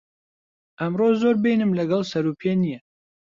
ئەمن زۆر بەینم لەگەڵ سەر و پێ نییە.